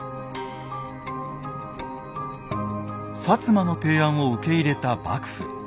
摩の提案を受け入れた幕府。